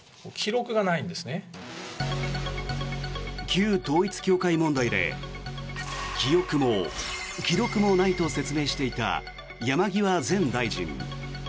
旧統一教会問題で記憶も記録もないと説明していた山際前大臣。